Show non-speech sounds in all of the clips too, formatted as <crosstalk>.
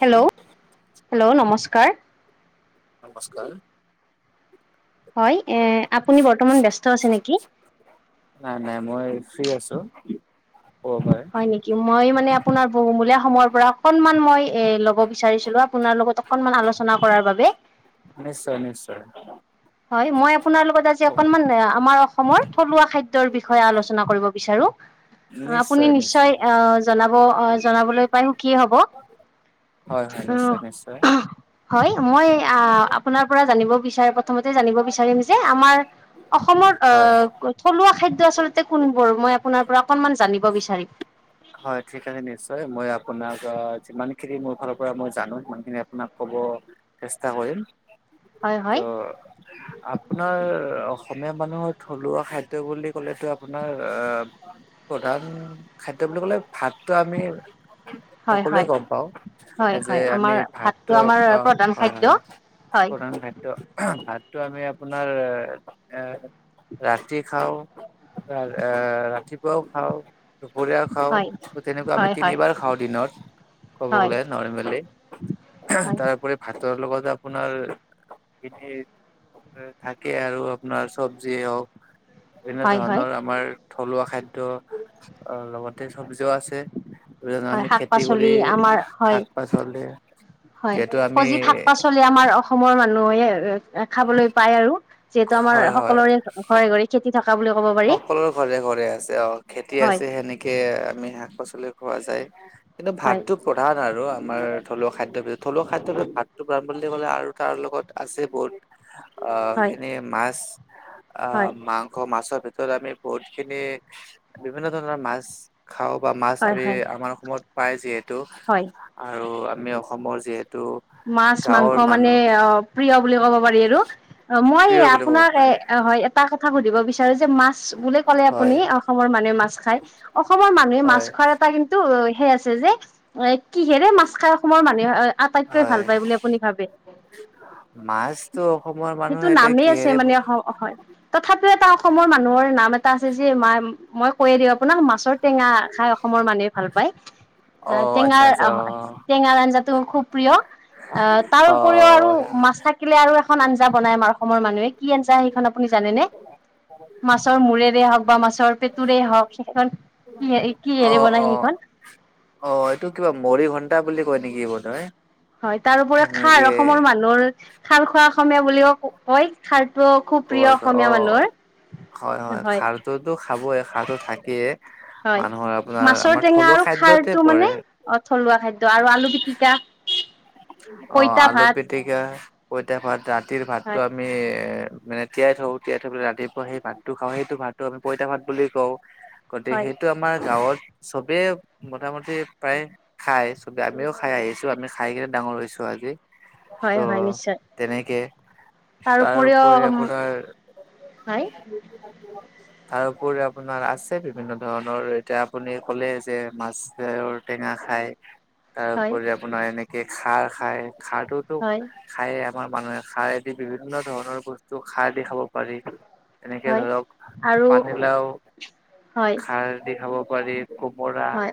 Hello hello নমস্কাৰ। নমস্কাৰ। হয়, এ আপুনি বৰ্তমান ব্যস্ত আছে নেকি। নাই, নাই মই ফ্ৰী আছোঁ ক'ব পাৰে। হয় নেকি মই মানে আপোনাৰ বহুমূলীয়া সময়ৰ পৰা অকনমান মই এ ল'ব বিচাৰিছিলো আপোনাৰ লগত অকনমান আলোচনা কৰাৰ বাবে। নিশ্চয়, নিশ্চয়। হয়, মই আপোনাৰ লগত আজি অকনমান আমাৰ অসমৰ থলুৱা খাদ্যৰ বিষয়ে আলোচনা কৰিব বিচাৰো। আপুনি নিশ্চয় আহ জনাব আহ জনাবলৈ পাই সুখী হ'ব। হয়, হয় উম নিশ্চয়, নিশ্চয়। হয় মই আহ আপোনাৰ পৰা জানিব বিচাৰ প্ৰথমতে জানিব বিচাৰিম যে আমাৰ অসমৰ হয় আহ থলুৱা খাদ্য আচলতে কোনবোৰ মই আপোনাৰ পৰা অকনমান জানিব বিচাৰিম। হয় ঠিক আছে নিশ্চয় মই আপোনাক যিমানখিনি মোৰ ফালৰ পৰা মই জানোঁ সিমানখিনি আপোনাক ক'ব চেষ্টা কৰিম হয় হয় ত' আপোনাৰ অসমীয়া মানুহৰ থলুৱা খাদ্য বুলি ক'লেতো আপোনাৰ আহ প্ৰধান খাদ্য বুলি কলে ভাতটো আমি হয় সকলোৱে হয় গম পাওঁ। হয় যে হয় আমি আমাৰ ভাতটো অ', আমাৰ হয়, প্ৰধান খাদ্য হয় হয় প্ৰধান ভাত ত ভাতটো আমি আপোনাৰ এ ৰাতি খাওঁ। এ ৰাতিপুৱাও খাওঁ। দুপৰীয়া খাওঁ, হয় তেনেকুৱা আমি হয় হয় তিনিবাৰ খাওঁ দিনত ক'ব হয় গ'লে নৰ্মেলি। হয় তাৰপৰি ভাতৰ লগত আপোনাৰ খ থাকে আৰু আপোনাৰ চব্জিয়ে হওঁক এনে হয় হয় ধৰণৰ আমাৰ থলুৱা খাদ্যয় লগতে চব্জিও আছে। হয় আমি শাক খেতি কৰি পাচলি আমাৰ হয় শাক-পাচলি হয় সজীৱ শাক পাচলি আমাৰ অসমৰ মানুহে এ খাবলৈ পায় আৰু। যিহেতু আমাৰ হয় হয় সকলোৰে ঘৰে ঘৰে খেতি থকা বুলি কব পাৰি। সকলোৰে ঘৰে ঘৰে আছে। অ খেতি হয় আছে সেনেকে আমি শাক-পাচলি খোৱা যায়। কিন্তু হয় ভাতটো প্ৰধান আৰু আমাৰ থলুৱা খাদ্যবিধ থলুৱা খাদ্যবিধ ভাতটো পাম বুলি ক'লে আৰু তাৰ লগত আছে বহুত আহ হয় খিনি মাছ আহ হয় মাংস মাছৰ ভিতৰত ত আমি বহুত খিনি বিভিন্ন ধৰণৰ মাছ খাওঁ বা মাছ হয় আমি হয় আমাৰ অসমত পাই যিহেতু হয় আৰু আমি অসমৰ যিহেতু। মাছ-মাংস গাঁৱৰ মানে মানুহ অ প্ৰিয় বুলি কব পাৰি আৰু মই প্ৰিয় বুলি ক'ব আপোনাৰ পাৰি এটা কথা সুধিব বিচাৰো যে বুলিয়ে কলে হয় আপুনি অসমৰ মানুহে মাছ খায়। অসমৰ মানুহে মাছ হয় খোৱাৰ এটা কিন্তু টো সেই আছে যে কিহেৰে মাছ খাই অসমৰ মানুহে আটাইতকৈ ভাল হয় পায় বুলি আপুনি ভাবে? মাছতো অসমৰ সেইটো মানুহে এতিয়া নামেই আছে কিহেৰে মানে অ হয়। তথাপিও এটা অসমৰ মানুহৰ নাম এটা আছে যে মই কৈয়ে দিওঁ আপোনাক মাছৰ টেঙা খাই অসমৰ মানুহে ভাল পায়। অ আহ আচ্ছা টেঙাৰ আচ্ছা অ টেঙা আঞ্জা খুব প্ৰিয়। তাৰ উপৰিও আৰু হয় মাছ থাকিলে থাকিলে আৰু এখন আঞ্জা বনাই আমাৰ অসমৰ মানুহে কি আঞ্জা সেইখন আপুনি জানেনে? মাছৰ মূৰেৰে হওক বা মাছৰ পেটুৰে হওক সেই অ অ অ এইটো কিবা মৰিঘন্টা বুলি কয় নেকি বোধ হয়? হয়। তাৰপৰিও খাৰ অসমৰ মানুহৰ খাৰ খোৱা অসমীয়া বুলিও কয়। খাৰটো খুব অ প্ৰিয় অসমীয়া মানুহৰ হয় হয়। খাৰটোতো খাবই খাৰো থাকেইে। হয় মানুহৰ আপোনাৰ মাছৰ আমাৰ টেঙা আৰু থলুৱা খাৰটো খাদ্যতে মানে পৰে। অ থলুৱা খাদ্য আৰু আলু পিটিকা অ পইতা ভাত আলু-পিটিকা পইতা-ভাত ৰাতিৰ ভাতটো হয় আমি এ মানে তিয়াই থওঁ। তিয়াই থৈ পেলাই ৰাতিপুৱা সেই ভাতটো খাওঁ সেইটো ভাতটো আমি পইতা ভাত বুলি কওঁ। গতিকে হয় সেইটো আমাৰ গাঁৱত চবেই মোটা-মুটি প্ৰায় খাই। চবে আমিও খাই আহিছো আমি খাই কিনে ডাঙৰ হৈছো আজি। ত হয় হয় নিশ্চয় তেনেকে। তাৰ ওপৰি আপোনাৰ <unintelligible> তাৰ ওপৰি আপোনাৰ আছে বিভিন্ন ধৰণৰ এতিয়া আপুনি ক'লে যে মাছৰ টেঙা খাই। <unintelligible> তাৰ উপৰি আপোনাৰ এনেকে খাৰ খায়। খাৰটোতো হয় খায়ে আমাৰ মানুহে খাৰেদি বিভিন্ন ধৰণৰ বস্তু খাৰ দি খাব পাৰি। এনেকে হয় ধৰক আৰু পানীলাও হয় খাৰ দি খাব পাৰি। কোমোৰা হয়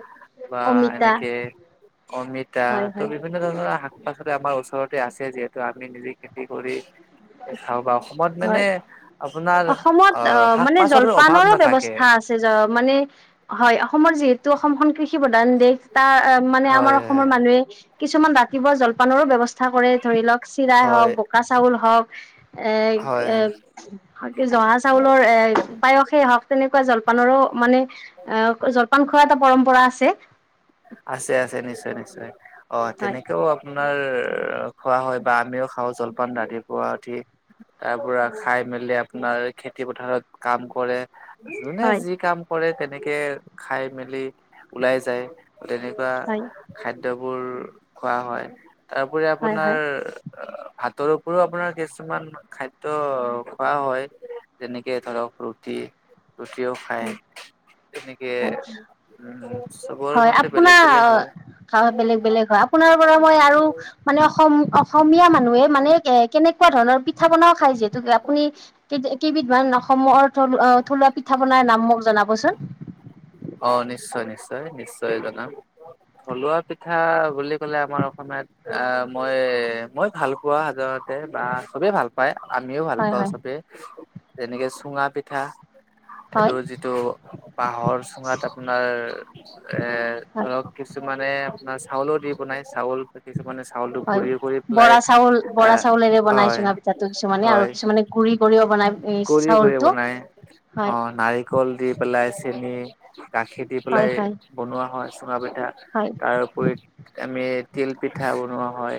বা অমিতা এনেকে অমিতা। হয় ত' হয় বিভিন্ন ধৰণৰ শাক-পাচলি আমাৰ ওচৰতে আছে যিহেতু আমি নিজে খেতি কৰি খাওঁ বা অসমত হয় মানে আপোনাৰ অসমত আহ মানে শাক-পাচলিৰ অভাৱ জলপানৰো নাথাকে। ব্যৱস্থা আছে মানে হয় অসমৰ যিহেতু অসম খন কৃষি প্ৰধান দেশ। তাৰ মানে আমাৰ হয় অসমৰ মানুহে কিছুমান ৰাতিপুৱা জল-পানৰো ব্যৱস্থা ধৰি লওক চিৰাই হয় হওক পকা চাউল হওক। এ হয় এ কি জহা চাউলৰ এ পায়সেই হওক। তেনেকুৱা জল-পানৰো মানে অ জলপান খোৱা এটা পৰম্পৰা আছে। আছে আছে নিশ্চয় নিশ্চয়। অ হয় তেনেকেও আপোনাৰ খোৱা হয় বা আমিও খাওঁ জলপান ৰাতিপুৱা উঠি তাৰ পৰা খাই মেলি আপোনাৰ খেতি পথাৰত কাম কৰে যোনে হয় যি কাম কৰে তেনেকে খাই মেলি ওলাই যায় তেনেকুৱা হয় খাদ্যবোৰ খোৱা হয় তাৰপৰি হয় আপোনাৰ হয় অ ভাতৰওৰিও আপোনাৰ কিছুমান খাদ্য খোৱা হয় যেনেকে ধৰক ৰু টি ৰুটিও খায় হয় তেনেকে হয় উম চবৰ মতে আপোনা বেলেগ বেলেগ অ হয়। খাওঁ বেলেগ বেলেগ হয় আপোনাৰ পৰা মই আৰু মানে সম অস অসমীয়া মানুহে মানে এ কেনেক এনেকুৱা ধৰণৰ পিঠা পনাও খায় যিহেতুে আপুনি কেত কেইবিধ মান অসমৰ থলো অ থলুৱা পিঠা বনাই নাম মোক জনাবচোন অ নিশ্চয় নিশ্চয় নিশ্চয় জনাম থলুৱা পিঠ ঠা বুলি ক'লে আমাৰ অসমীয়াত আ মই মই ভাল পোৱা সাধাৰণতে বা চবে ভাল পাই আমিও ভাল হয় পাওঁ হয় চবে যেনেকে চুঙা পিঠা এইটো হয় যিটো বাহৰ চুঙা তাত আপোনাৰ এ হয় ধৰক কিছুমানে আপোনাৰ চাউলো দি বনাই চাউল ত কিছুমানে চাউলটো হয় গুৰিও কৰি পেলাই বৰা চাউল বৰা এহ চাউলেৰে বনাই হয় চুঙা পিঠাটো কিছুমানে আৰু হয় কিছুমানে গুৰি কৰিও বনাই গুৰি কৰি চাউলটো ব নাই অ হয় নাই কল দি পেলাই চেনি গাখীৰ দি হয় পেলাই হয় বনোৱা হয় চুঙা পিঠা হয় তাৰ উপৰিত আমি তিল পিঠা বনোৱা হয়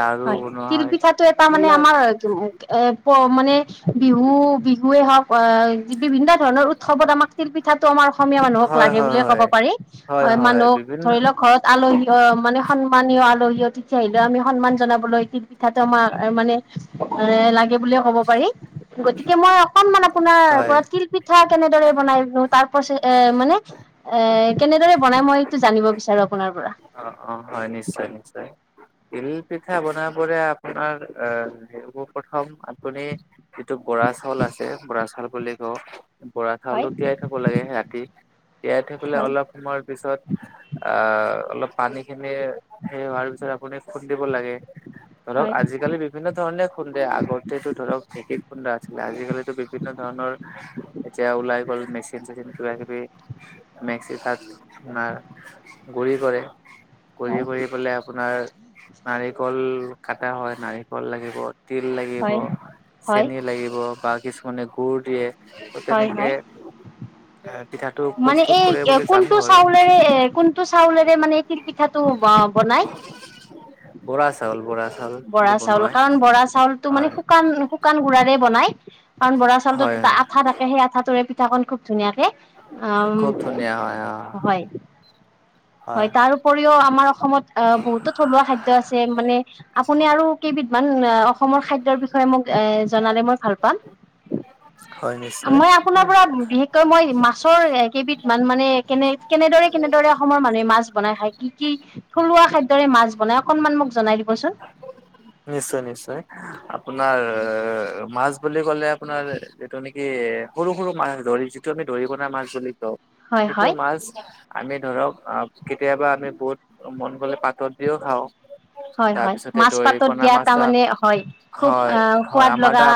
লাৰু হয় বনোৱা হয় তিলপিঠাটো এটা মানে এইবিলাক আমাৰ কি উম এ প মানে বিহু বিহুৱে হওক আহ যি বিভিন্ন ধৰণৰ উৎসৱত আমাক তিলপিঠাটো আমাৰ অসমীয়া মানুহক হয় লাগে হয় বুলিযয়ে ক'ব পাৰি হয় মানুহ ধৰি লওক ঘৰত আলহী অ মানে সন্মানীয় আলহীও তেতিয়া আহিলেও আমি সন্মান জনাবলৈ তিল পিঠাটো আমাক এ মানে এ লাগে বুলিয়ে ক'ব পাৰি গতিকে মই অকনমান আপোনাৰ হয় ওপৰত তিল পিঠা কেনেদৰে বনাই ৰো তাৰ পচে এ মানে এ কেনেদৰে বনাই মই সটো জানিব বিচাৰো আপোনাৰ পৰা অ অ হয় নিশ্চয় নিশ্চয় তিল পিঠা বনাবৰে আপ পোনাৰ এ সেইবোৰ প্ৰথম আপুনি যিটো বৰা চাউল আছে বৰা চাউল বুলি ত বৰা হয় চাউলটো তিয়াই থব লাগে ৰাতি তিয়াই থবলে হয় অলপ তোমাৰ পিছত আ অলপ পানী খিনি সেই হোৱাৰ পিছত আপুনি খুন্দিব লাগে ধৰক হয় আজিকালি বি ভিন্ন ধৰণে খুন্দে আগতেতো ধৰক ঢেকী খুন্দা আছিলে আজিকালিতো বিভিন্ন ধৰণৰ এতিয়া ওলাই গল মেচ চীন চেচিন কিবা কিবি মেক্সি তাত আমাৰ গুৰি কৰে কৰি হয় কৰি পেলাই আপোনাৰ নাৰিকল কাটা হয় নাৰিকল লাগিব তিল লাগিব হয় হয় চেনি লাগিব বা কিছুমানে গুৰ দিয়ে ত হয় তেনেকে হয় পিঠাটো মানে প্ৰস্তুত কৰে বুলি জানো আৰু টো চাউলেৰে মানে তিল পিঠাটো ব বনাই বৰা চাউল বৰা চাউল বৰা বুলি চাউল বনোৱাই কাৰণ বৰা চাউলতটো মানে হয় শুকান শুকান গুড়াৰে বনাই কাৰণ বৰা চাউলটোত হয় এটা হয় আঠা থাকে সেই আঠাটোৰে পিঠাকন খুব ধুনীয়াকে অম খুব ধুনীয়া হয় অ হয় হয় তাৰ উপৰিও আমাৰ অসমত আহ বহুতো থলুৱা খাদ্য আছে মানে আপুনি আৰু কেইবিধমান আ অসমৰ খাদ্যৰ বিচ হয় মোক এ জনালে মই ভাল পাম হয় নিশ্চয় মই আ- আপোনাৰ পৰা বিশেষকৈ মই মাছৰেই কেইবিধ মান কেনে কেনেদৰে কেনেদৰে অসমৰ মানুহে মাছ বনাই খাই কি কি থলুৱা খাদ্যয়ৰে মাছ বনাই অকনমান মোক জনাই দিবচোন। নিশ্চয় নিশ্চয় আপোনাৰ এএ মাছ বুলি ক'লে আপোনাৰ- যিটো নেকি সৰু সৰু মাছ দৰি যিটো আমি দৰি কনা মাছ বুলি কওঁ হয় সেইটো হয় মাছ। আমি ধৰক কেতিয়াবা আমি বহুত মন গ'লে পাতত দিওঁ খাওঁ। হয় হয় তাৰপিছতে মাছ দৰি পাতত কনা দিয়া মাছটা তাৰমানে হয় খুব আহ হয়ঁ হয়ঁ সোৱাদ আমাৰ লগা এটা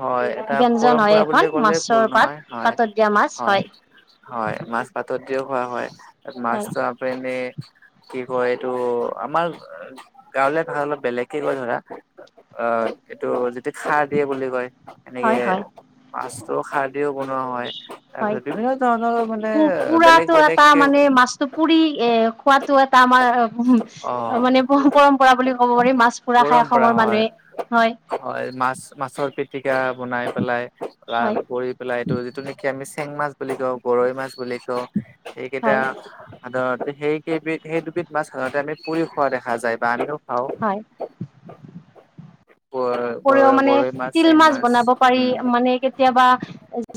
হয়ঁ এটা ব্যঞ্জন হয় পৰম্পৰা এখন বুলি ক'লেও মাছৰ ভুল পাত নহয় হয়ঁ পাতত দিয়া মাছ হয় হয়ঁ। হয়ঁ মাছ পাতত দিওঁ খোৱা হয় হয় মাছটা তেনে কি কয় এইটো আমাৰ গাঁৱলীয়া ভাষা অলপ বেলেগকে কয় ধৰা অ এইটো যটো খাৰ দিয়ে বুলি কয়। এনেকে হয় হয় মাছটো খাৰ দিও বনোৱা হয়। হয় তাৰপিছত বিভিন্ন ধৰণৰ মানে বেলেগ বেলেগ কে পুৰী এ খোৱাটো এটা আমাৰ, অ উমঁ মানে পৰম্পৰা বুলি ক'ব পাৰি মাছ ফুৰা খাই অসমৰ মানুহে হয়ঁ। হয়ঁ মাছ মাছৰ পিতি বনাই পেলাই ৰা হয় কৰি। পলাই এইটো যিটো নেকি আমি চেং মাছ বুলি কওঁ গৰৈ মাছ বুলি কওঁ হয় সেইকেইটা- সাধাৰতে সেইকেইবিধ সেই দুবিধ মাছ সাধাৰণতে আমি পুৰি খোৱা দেখা যায় বা আমিও খাওঁ। হয় উপৰিও মানে গৰৈ তিল চেং মাছ বনাব পাৰি উম মানে- কেতিয়াবা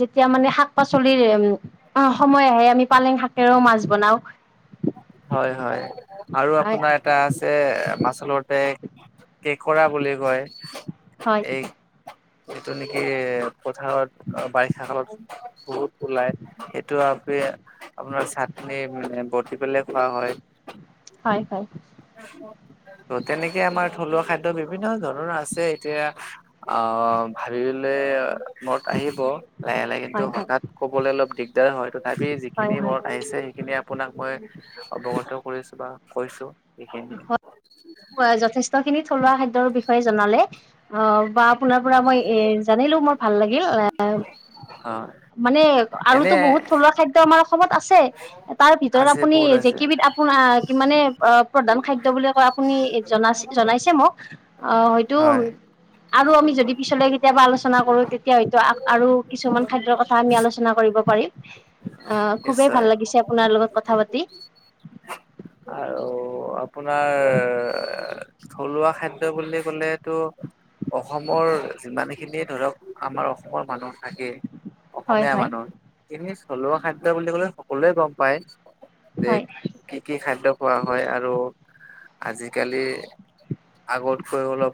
যেতিয়া মানে শাক পাচলিৰ উমঁ সময় আহে আমি- পালেং শাকেৰেও মাছ বনাওঁ। হয়ঁ হয়ঁ আৰু আপোনাৰ। এটা আছে মাচলৰতে কেঁকৰা বুলি কয়। হয়ঁ। এই এইটো নেকি পথাৰত বাৰিষা কালত- বহুত ওলাই সেইটো আমি আপোনাৰ চাটনি মানে বটি পেলাই খোৱা হয়। হঁয় হয়ঁ! ত তেনেকে আমাৰ থলুৱা খাদ্য বিভিন্ন ধৰণৰ আছে এতিয়া। আহ ভাবিলে মনত আহিব। লাহে লাহে হয় কিন্তু হঠাৎ কবলৈ অলপ দিগদাৰ হয় তথাপি হয় হয় যিখিনি হয় মনত আহিছে সেইখিনি- আপোনাক মই অৱগত কৰিছো বা কৈছো এইখিনি। হয়ঁ যথেষ্ট খিনি থলুৱা খাদ্যৰ বিষয়ে জনালে অ বাত- আপোনাৰ পৰা মই এ জানিলো মোৰ ভাল লাগিল এ- হয় মানে আৰুতো এনে বহুত থলুৱা খাদ্য- তো আমাৰ অসমত আছে তাৰ ভিতৰত আছে আপুনি বহুত জেই আছে কেই বিধ আপোনাৰ কি মানে অ প্ৰধান খাদ্য বুলি কয় আপুনি জনাইছে মোক অ হয়তো হয় আৰু আমি যদি পিছলৈ গৈ কেতিয়াবা আলোচনা কৰো তেতিয়া হয়তো আৰু কিছুমান খাদ্যৰ কথা আমি আলোচনা কৰিব পাৰিম। অঁ খুবেই ভাল নিশ্চয় লাগিছে আপোনাৰ লগত কথা পাতি। আৰু আপোনাৰ থলুৱা খাদ্য বুলি ক'লে টো। অসমৰ যিমানখিনি ধৰক আমাৰ অসমৰ মানুহ থাকে- হয় অসমীয়া হয় মানুহৰ সিখিনি থলুৱা খাদ্য বুলি কলে সকলোৱে গম পায়। যে হয়ঁ! কি কি খাদ্য খোৱা হয় আৰু আজিকালি কি- আগতকৈ অলপ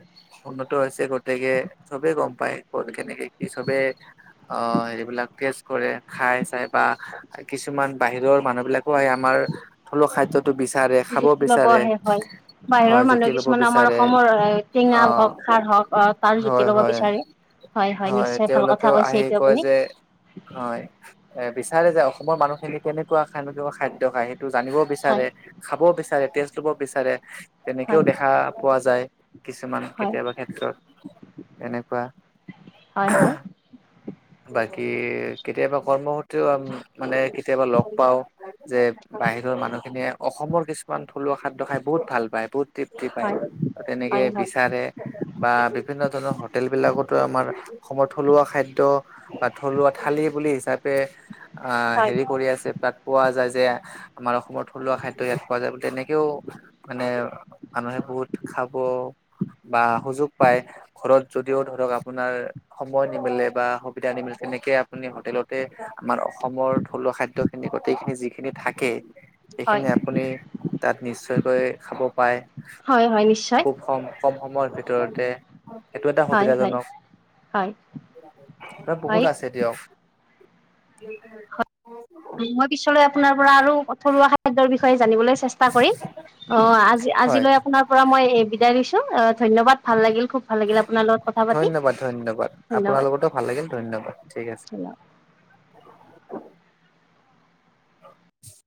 উন্নত হৈছে গতিকে চবেই গম পায় ক'ত কেনেকে কি চবে। অ' হেৰিবিলাক টেষ্ট কৰে খাই চাই বা। কিছুমান বাহিৰৰ মানুহ বিলাকো আহে আমাৰ থলুৱা খাদ্য বিচাৰে খাব জুতি লব বিচাৰে, আহে হয়। বাহিৰৰ হয় মানুহ জুতি ল'ব। কিছুমানে আমাৰ বিচাৰে অসমৰ অ টেঙা হওক, খাৰ হওক, অ' তাৰ হয় জুতি লব হয় বিচাৰে। হয় নিশ্চয় ভাল কথা তেওঁলোকেও কৈছে আহি এইটো কয় আপুনি যে। হয় এ বিচাৰে যে অসমৰ মানুহখিনি কেনেকুৱা কেনেকুৱা খাদ্য খায় সেইটো জানিব। হয় বিচাৰে খাব বিচাৰে, টেষ্ট লব বিচাৰে, তেনেকেও হয় দেখা পোৱা যায়। কিছুমান হয় কেতিয়াবা ক্ষেত্ৰত এনেকুৱা। হয় হয়। বাকী কেতিয়াবা কৰ্মসূত্ৰেও আম মানে কেতিয়াবা লগ পাওঁ। যে বাহিৰৰ মানুহখিনিয়ে অসমৰ কিছুমান থলুৱা খাদ্য খাই বহুত ভাল পায় বহুত। তৃপ্তি পায় হয় এনেকে হয় হয় বিচাৰে। বা বিভিন্ন ধৰণৰ হোটেল বিলাকতো আমাৰ অসমৰ থলুৱা খাদ্য বা থলুৱা থালী বুলি হিচাপে আ হয় হেৰি কৰি আছে তাত। পোৱা যায় যে আমাৰ অসমৰ থলুৱা খাদ্য ইয়াত পোৱা যায় তেনেকেও। মানে মানুহে বহুত খাব বা সুযোগ পায়। ঘৰত যদিও ধৰক আপোনাৰ সময় নিমিলে বা সুবিধা নিমিলে তেনেকে আপুনি হোটেলতে আমাৰ অসমৰ থলুৱা খাদ্যখিনি গোটেইখিনি যিখিনি থাকে। হয় এইখিনি আপুনি তাত নিশ্চয়কৈ খাব পায়। হয় হয় নিশ্চয়। খুব কম কম সময়ৰ ভিতৰতে। সেইটো এটা হয় হয় সুবিধাজনক, হয় হয় বহুত আছে দিয়ক। <unintelligible> মই পিছলৈ আপোনাৰ পৰা আৰু থলুৱা খাদ্যৰ বিষয়ে জানিবলৈ চে কৰি অ আজি হয় আজিলৈ আপোনাৰ পৰা মই বিদায় লৈছো, আ ধন্যবাদ ভাল লাগিল খুব। ভাল লাগিলে আপোনাৰ লগত কথা পাতি, ধন্যবাদ ধন্যবাদ আপোনাৰ লগতো ভাল লাগিল ঠিক আছে ধন্যবাদ। <inaudible>